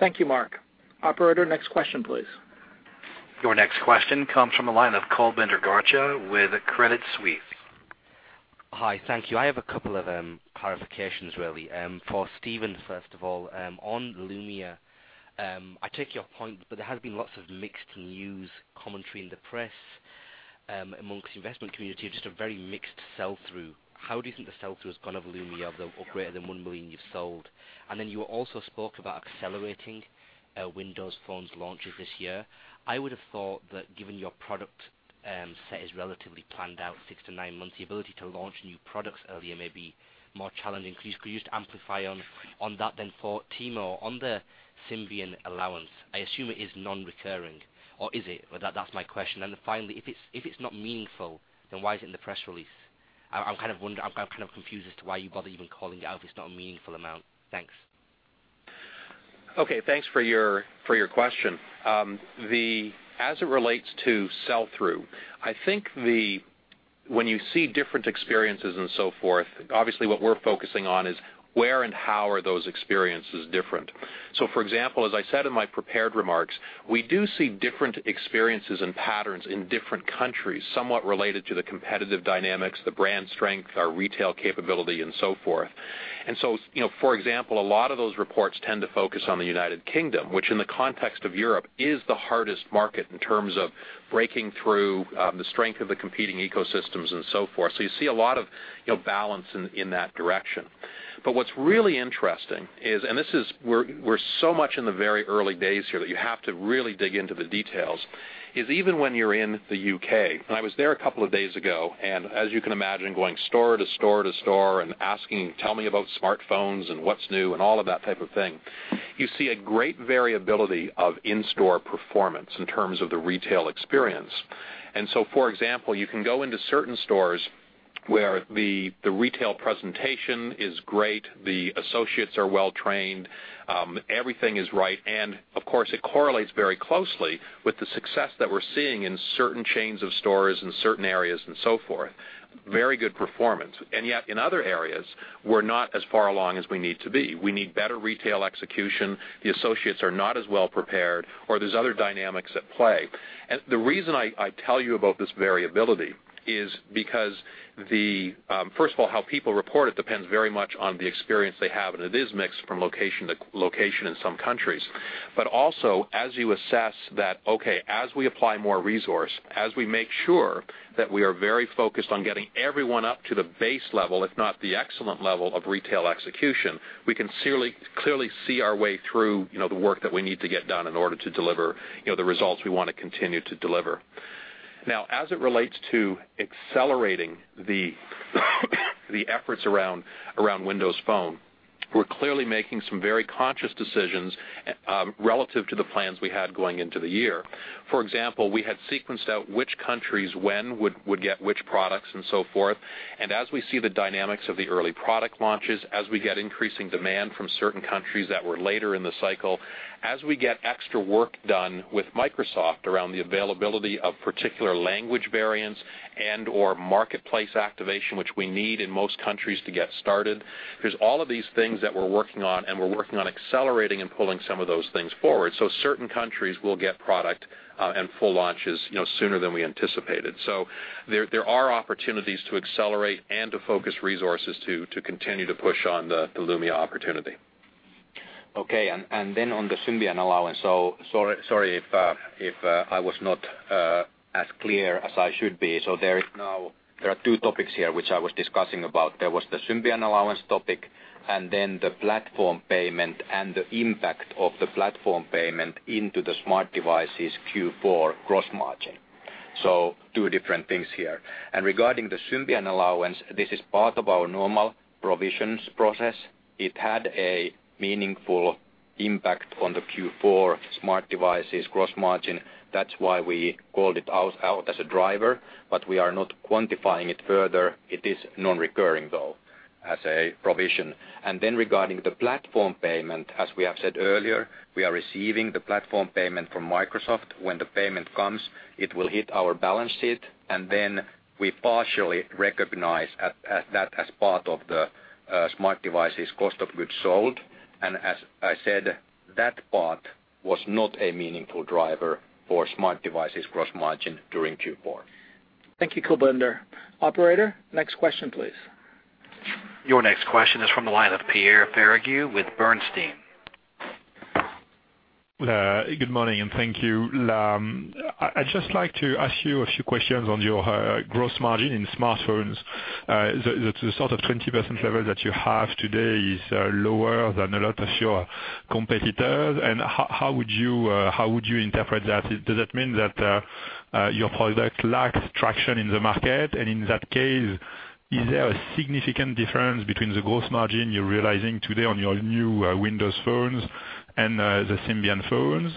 Thank you, Mark. Operator, next question, please. Your next question comes from a line of Kulbinder Garcha with Credit Suisse. Hi, thank you. I have a couple of clarifications, really. For Stephen, first of all, on Lumia, I take your point, but there has been lots of mixed news commentary in the press amongst the investment community, just a very mixed sell-through. How do you think the sell-through is going to of Lumia of the greater-than-1 million you've sold? And then you also spoke about accelerating Windows phones launches this year. I would have thought that given your product set is relatively planned out, six to nine months, the ability to launch new products earlier may be more challenging. Could you just amplify on that then for Timo, on the Symbian allowance? I assume it is non-recurring, or is it? That's my question. And then finally, if it's not meaningful, then why is it in the press release? I'm kind of confused as to why you bother even calling it out if it's not a meaningful amount. Thanks. Okay. Thanks for your question. As it relates to sell-through, I think when you see different experiences and so forth, obviously, what we're focusing on is where and how are those experiences different? For example, as I said in my prepared remarks, we do see different experiences and patterns in different countries, somewhat related to the competitive dynamics, the brand strength, our retail capability, and so forth. For example, a lot of those reports tend to focus on the United Kingdom, which in the context of Europe is the hardest market in terms of breaking through the strength of the competing ecosystems and so forth. You see a lot of balance in that direction. But what's really interesting is, and we're so much in the very early days here that you have to really dig into the details, is even when you're in the U.K. and I was there a couple of days ago, and as you can imagine, going store to store to store and asking, "Tell me about smartphones and what's new," and all of that type of thing, you see a great variability of in-store performance in terms of the retail experience. And so for example, you can go into certain stores where the retail presentation is great, the associates are well-trained, everything is right, and of course, it correlates very closely with the success that we're seeing in certain chains of stores in certain areas and so forth, very good performance. And yet in other areas, we're not as far along as we need to be. We need better retail execution. The associates are not as well-prepared, or there's other dynamics at play. The reason I tell you about this variability is because, first of all, how people report it depends very much on the experience they have, and it is mixed from location to location in some countries. Also, as you assess that, "Okay, as we apply more resource, as we make sure that we are very focused on getting everyone up to the base level, if not the excellent level, of retail execution, we can clearly see our way through the work that we need to get done in order to deliver the results we want to continue to deliver." Now, as it relates to accelerating the efforts around Windows Phone, we're clearly making some very conscious decisions relative to the plans we had going into the year. For example, we had sequenced out which countries when would get which products and so forth. And as we see the dynamics of the early product launches, as we get increasing demand from certain countries that were later in the cycle, as we get extra work done with Microsoft around the availability of particular language variants and/or marketplace activation, which we need in most countries to get started, there's all of these things that we're working on, and we're working on accelerating and pulling some of those things forward. So certain countries will get product and full launches sooner than we anticipated. So there are opportunities to accelerate and to focus resources to continue to push on the Lumia opportunity. Okay. And then on the Symbian allowance, so sorry if I was not as clear as I should be. So there are two topics here which I was discussing about. There was the Symbian allowance topic and then the platform payment and the impact of the platform payment into the Smart Devices Q4 gross margin. So two different things here. And regarding the Symbian allowance, this is part of our normal provisions process. It had a meaningful impact on the Q4 Smart Devices gross margin. That's why we called it out as a driver, but we are not quantifying it further. It is non-recurring, though, as a provision. And then regarding the platform payment, as we have said earlier, we are receiving the platform payment from Microsoft. When the payment comes, it will hit our balance sheet, and then we partially recognize that as part of the Smart Devices cost of goods sold. And as I said, that part was not a meaningful driver for Smart Devices gross margin during Q4. Thank you, Kulbinder. Operator, next question, please. Your next question is from the line of Pierre Ferragu with Bernstein. Good morning and thank you. I'd just like to ask you a few questions on your gross margin in smartphones. The sort of 20% level that you have today is lower than a lot of your competitors, and how would you interpret that? Does that mean that your product lacks traction in the market? And in that case, is there a significant difference between the gross margin you're realizing today on your new Windows phones and the Symbian phones?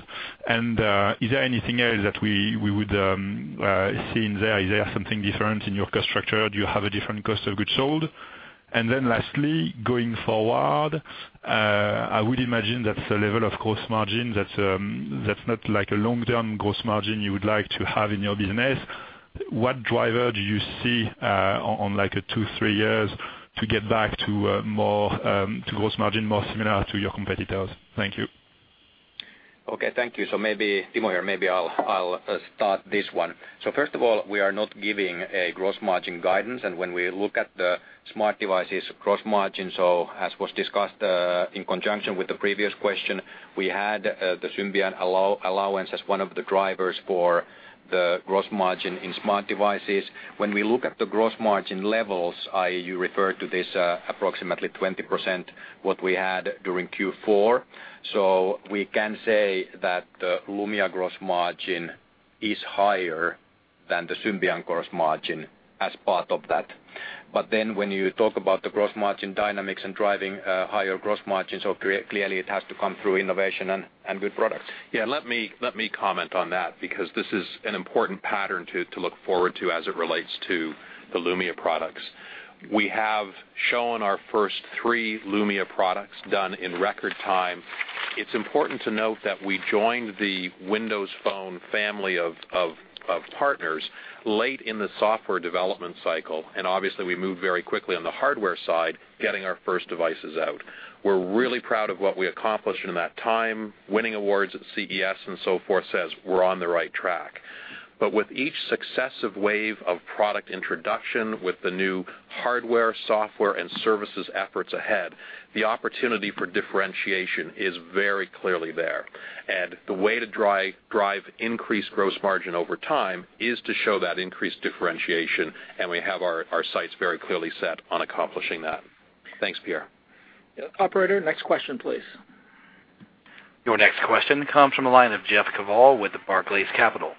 And is there anything else that we would see in there? Is there something different in your cost structure? Do you have a different cost of goods sold? And then lastly, going forward, I would imagine that's a level of gross margin that's not a long-term gross margin you would like to have in your business. What driver do you see in two to three years to get back to gross margin more similar to your competitors? Thank you. Okay. Thank you. So maybe Timo here, maybe I'll start this one. So first of all, we are not giving a gross margin guidance. And when we look at the Smart Devices gross margin, so as was discussed in conjunction with the previous question, we had the Symbian allowance as one of the drivers for the gross margin in Smart Devices. When we look at the gross margin levels, i.e., you referred to this approximately 20% what we had during Q4, so we can say that the Lumia gross margin is higher than the Symbian gross margin as part of that. But then when you talk about the gross margin dynamics and driving higher gross margins, so clearly, it has to come through innovation and good products. Yeah. Let me comment on that because this is an important pattern to look forward to as it relates to the Lumia products. We have shown our first three Lumia products done in record time. It's important to note that we joined the Windows Phone family of partners late in the software development cycle, and obviously, we moved very quickly on the hardware side getting our first devices out. We're really proud of what we accomplished in that time. Winning awards at CES and so forth says we're on the right track. But with each successive wave of product introduction with the new hardware, software, and services efforts ahead, the opportunity for differentiation is very clearly there. And the way to drive increased gross margin over time is to show that increased differentiation, and we have our sights very clearly set on accomplishing that. Thanks, Pierre. Operator, next question, please. Your next question comes from a line of Jeff Kvaal with Barclays Capital.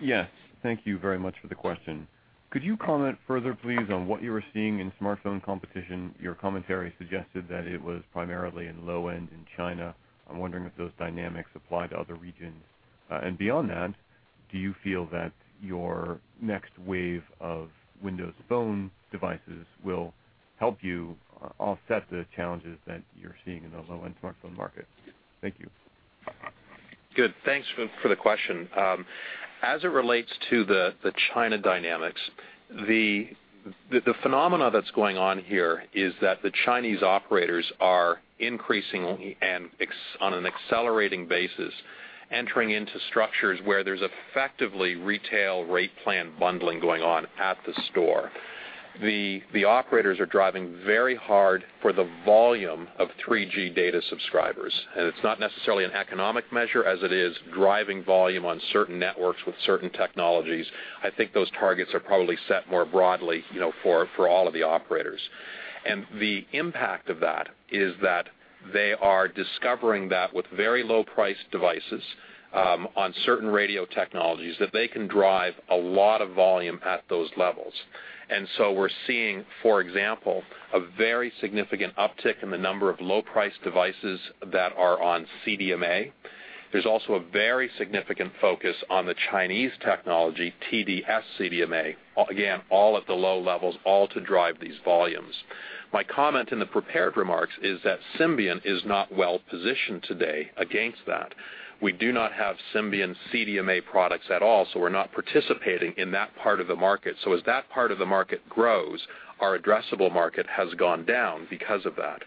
Yes. Thank you very much for the question. Could you comment further, please, on what you were seeing in smartphone competition? Your commentary suggested that it was primarily in low-end in China. I'm wondering if those dynamics apply to other regions. And beyond that, do you feel that your next wave of Windows Phone devices will help you offset the challenges that you're seeing in the low-end smartphone market? Thank you. Good. Thanks for the question. As it relates to the China dynamics, the phenomena that's going on here is that the Chinese operators are increasingly and on an accelerating basis entering into structures where there's effectively retail rate plan bundling going on at the store. The operators are driving very hard for the volume of 3G data subscribers, and it's not necessarily an economic measure as it is driving volume on certain networks with certain technologies. I think those targets are probably set more broadly for all of the operators. And the impact of that is that they are discovering that with very low-priced devices on certain radio technologies that they can drive a lot of volume at those levels. And so we're seeing, for example, a very significant uptick in the number of low-priced devices that are on CDMA. There's also a very significant focus on the Chinese technology, TD-SCDMA, again, all at the low levels, all to drive these volumes. My comment in the prepared remarks is that Symbian is not well-positioned today against that. We do not have Symbian CDMA products at all, so we're not participating in that part of the market. So as that part of the market grows, our addressable market has gone down because of that.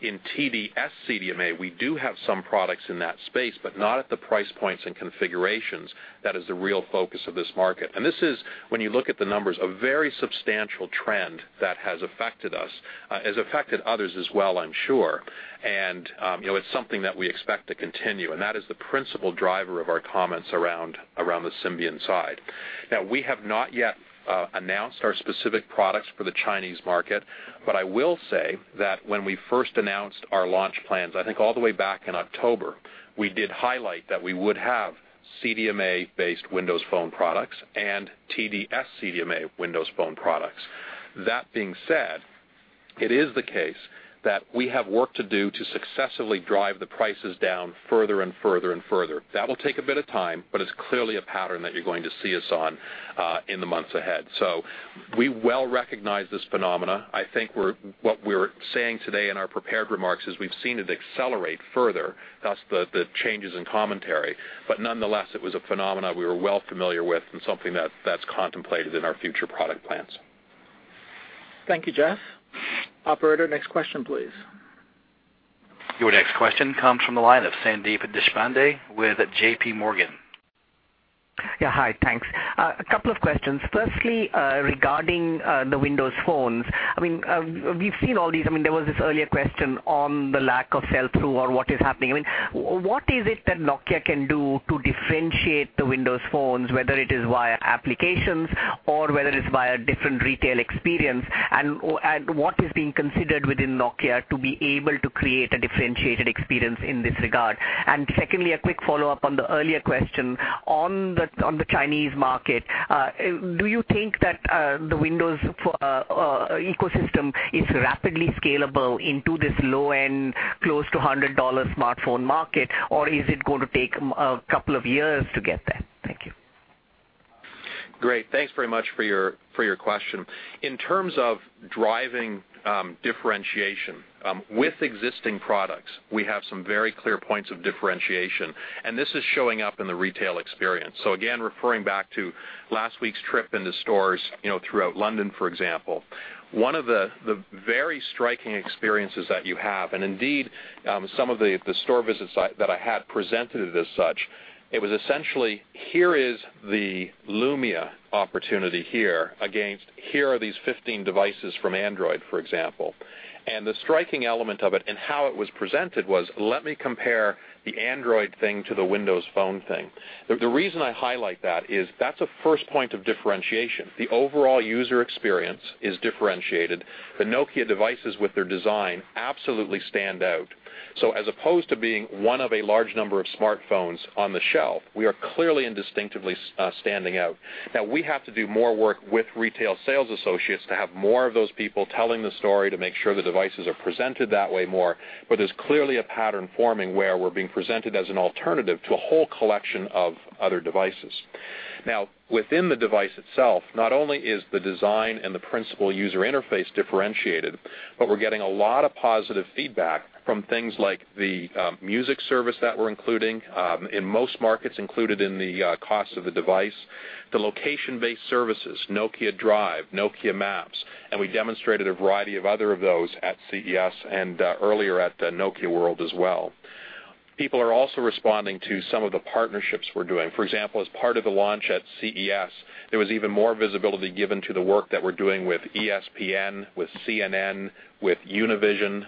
In TD-SCDMA, we do have some products in that space, but not at the price points and configurations. That is the real focus of this market. And this is, when you look at the numbers, a very substantial trend that has affected us, has affected others as well, I'm sure. And it's something that we expect to continue, and that is the principal driver of our comments around the Symbian side. Now, we have not yet announced our specific products for the Chinese market, but I will say that when we first announced our launch plans, I think all the way back in October, we did highlight that we would have CDMA-based Windows Phone products and TD-SCDMA Windows Phone products. That being said, it is the case that we have work to do to successively drive the prices down further and further and further. That will take a bit of time, but it's clearly a pattern that you're going to see us on in the months ahead. So we well recognize this phenomena. I think what we're saying today in our prepared remarks is we've seen it accelerate further, thus the changes in commentary. But nonetheless, it was a phenomena we were well familiar with and something that's contemplated in our future product plans. Thank you, Jeff. Operator, next question, please. Your next question comes from the line of Sandeep Deshpande with JPMorgan. Yeah. Hi. Thanks. A couple of questions. Firstly, regarding the Windows Phones, I mean, we've seen all these I mean, there was this earlier question on the lack of sell-through or what is happening. I mean, what is it that Nokia can do to differentiate the Windows Phones, whether it is via applications or whether it's via different retail experience, and what is being considered within Nokia to be able to create a differentiated experience in this regard? And secondly, a quick follow-up on the earlier question. On the Chinese market, do you think that the Windows ecosystem is rapidly scalable into this low-end, close to $100 smartphone market, or is it going to take a couple of years to get there? Thank you. Great. Thanks very much for your question. In terms of driving differentiation with existing products, we have some very clear points of differentiation, and this is showing up in the retail experience. So again, referring back to last week's trip into stores throughout London, for example, one of the very striking experiences that you have and indeed, some of the store visits that I had presented it as such, it was essentially, "Here is the Lumia opportunity here," against, "Here are these 15 devices from Android," for example. And the striking element of it and how it was presented was, "Let me compare the Android thing to the Windows Phone thing." The reason I highlight that is that's a first point of differentiation. The overall user experience is differentiated. The Nokia devices, with their design, absolutely stand out. So as opposed to being one of a large number of smartphones on the shelf, we are clearly and distinctively standing out. Now, we have to do more work with retail sales associates to have more of those people telling the story to make sure the devices are presented that way more, but there's clearly a pattern forming where we're being presented as an alternative to a whole collection of other devices. Now, within the device itself, not only is the design and the principal user interface differentiated, but we're getting a lot of positive feedback from things like the music service that we're including in most markets, included in the cost of the device, the location-based services, Nokia Drive, Nokia Maps, and we demonstrated a variety of other of those at CES and earlier at Nokia World as well. People are also responding to some of the partnerships we're doing. For example, as part of the launch at CES, there was even more visibility given to the work that we're doing with ESPN, with CNN, with Univision,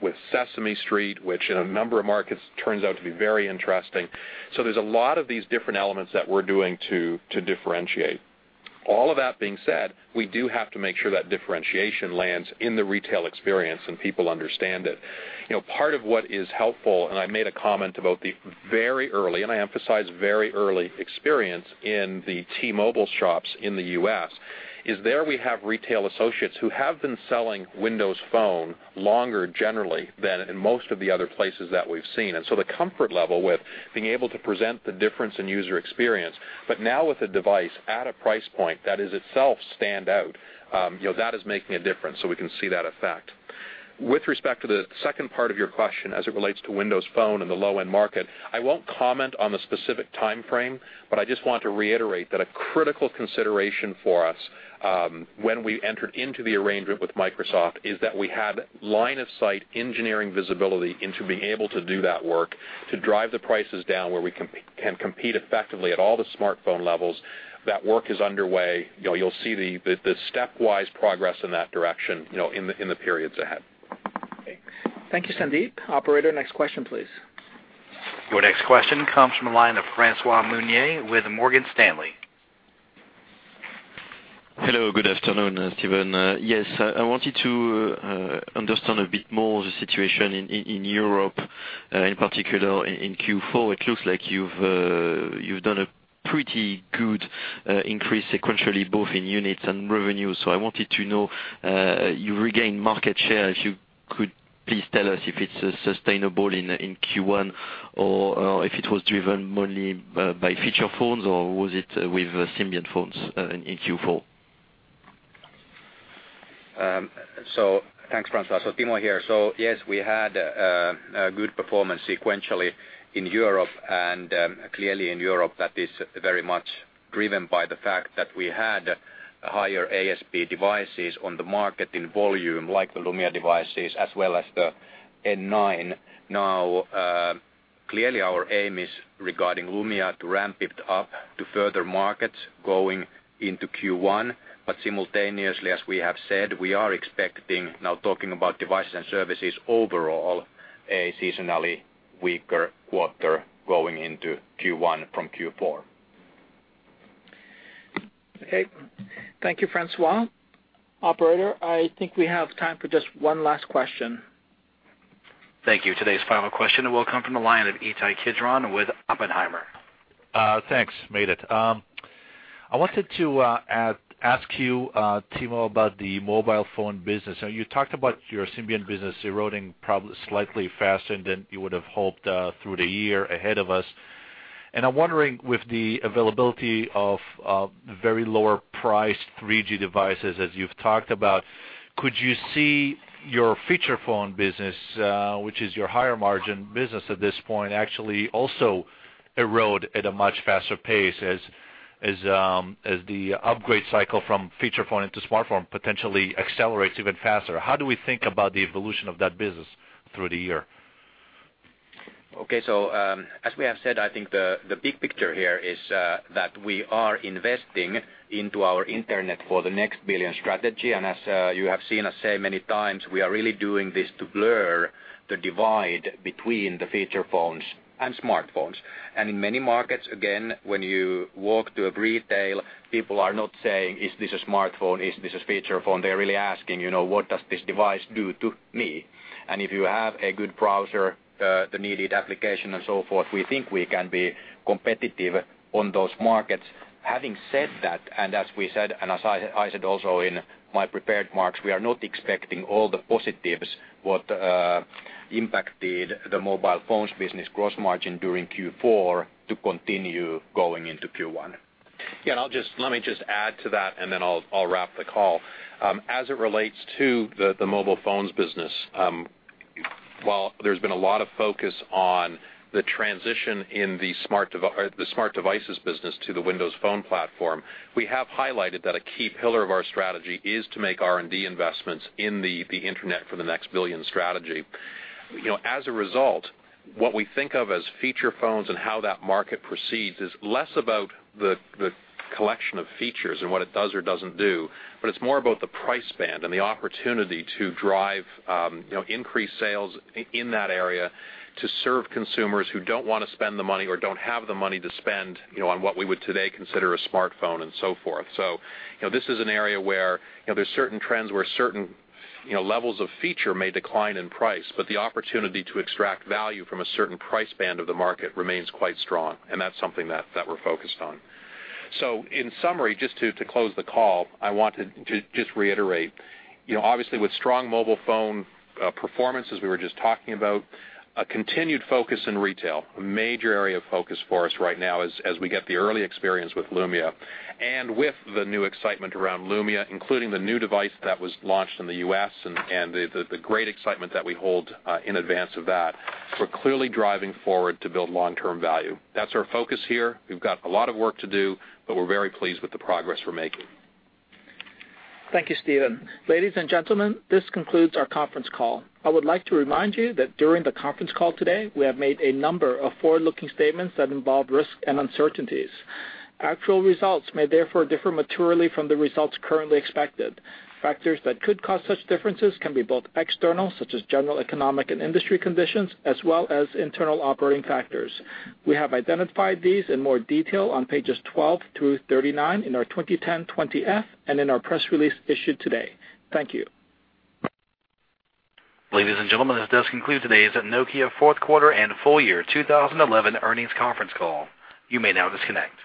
with Sesame Street, which in a number of markets turns out to be very interesting. So there's a lot of these different elements that we're doing to differentiate. All of that being said, we do have to make sure that differentiation lands in the retail experience and people understand it. Part of what is helpful, and I made a comment about the very early, and I emphasize very early, experience in the T-Mobile shops in the U.S. is there we have retail associates who have been selling Windows Phone longer, generally, than in most of the other places that we've seen. And so the comfort level with being able to present the difference in user experience, but now with a device at a price point that is itself stand out, that is making a difference, so we can see that effect. With respect to the second part of your question as it relates to Windows Phone in the low-end market, I won't comment on the specific time frame, but I just want to reiterate that a critical consideration for us when we entered into the arrangement with Microsoft is that we had line-of-sight engineering visibility into being able to do that work to drive the prices down where we can compete effectively at all the smartphone levels. That work is underway. You'll see the stepwise progress in that direction in the periods ahead. Okay. Thank you, Sandeep. Operator, next question, please. Your next question comes from a line of François Meunier with Morgan Stanley. Hello. Good afternoon, Stephen. Yes. I wanted to understand a bit more the situation in Europe, in particular in Q4. It looks like you've done a pretty good increase sequentially, both in units and revenue. So I wanted to know, you've regained market share. If you could please tell us if it's sustainable in Q1 or if it was driven only by feature phones, or was it with Symbian phones in Q4? So thanks, François. So Timo here. So yes, we had good performance sequentially in Europe, and clearly, in Europe, that is very much driven by the fact that we had higher ASP devices on the market in volume, like the Lumia devices as well as the N9. Now, clearly, our aim is, regarding Lumia, to ramp it up to further markets going into Q1, but simultaneously, as we have said, we are expecting, now talking about Devices & Services overall, a seasonally weaker quarter going into Q1 from Q4. Okay. Thank you, François. Operator, I think we have time for just one last question. Thank you. Today's final question will come from a line of Ittai Kidron with Oppenheimer. Thanks. Made it. I wanted to ask you, Timo, about the mobile phone business. Now, you talked about your Symbian business eroding slightly faster than you would have hoped through the year ahead of us. I'm wondering, with the availability of very low-priced 3G devices, as you've talked about, could you see your feature phone business, which is your higher-margin business at this point, actually also erode at a much faster pace as the upgrade cycle from feature phone into smartphone potentially accelerates even faster? How do we think about the evolution of that business through the year? Okay. As we have said, I think the big picture here is that we are investing into our Internet for the next billion strategy. And as you have seen us say many times, we are really doing this to blur the divide between the feature phones and smartphones. And in many markets, again, when you walk to a retail, people are not saying, "Is this a smartphone? Is this a feature phone?" They're really asking, "What does this device do to me?" And if you have a good browser, the needed application, and so forth, we think we can be competitive on those markets. Having said that, and as we said and as I said also in my prepared remarks, we are not expecting all the positives, what impacted the Mobile Phones business gross margin during Q4, to continue going into Q1. Yeah. And let me just add to that, and then I'll wrap the call. As it relates to the Mobile Phones business, while there's been a lot of focus on the transition in the Smart Devices business to the Windows Phone platform, we have highlighted that a key pillar of our strategy is to make R&D investments in the Internet for the next billion strategy. As a result, what we think of as feature phones and how that market proceeds is less about the collection of features and what it does or doesn't do, but it's more about the price band and the opportunity to drive increased sales in that area to serve consumers who don't want to spend the money or don't have the money to spend on what we would today consider a smartphone and so forth. So this is an area where there's certain trends where certain levels of feature may decline in price, but the opportunity to extract value from a certain price band of the market remains quite strong, and that's something that we're focused on. So in summary, just to close the call, I want to just reiterate, obviously, with strong mobile phone performance, as we were just talking about, a continued focus in retail, a major area of focus for us right now as we get the early experience with Lumia and with the new excitement around Lumia, including the new device that was launched in the U.S. and the great excitement that we hold in advance of that, we're clearly driving forward to build long-term value. That's our focus here. We've got a lot of work to do, but we're very pleased with the progress we're making. Thank you, Stephen. Ladies and gentlemen, this concludes our conference call. I would like to remind you that during the conference call today, we have made a number of forward-looking statements that involved risk and uncertainties. Actual results may therefore differ materially from the results currently expected. Factors that could cause such differences can be both external, such as general economic and industry conditions, as well as internal operating factors. We have identified these in more detail on pages 12 through 39 in our 2010 20-F and in our press release issued today. Thank you. Ladies and gentlemen, this does conclude today's Nokia Fourth Quarter and Full Year 2011 Earnings Conference Call. You may now disconnect.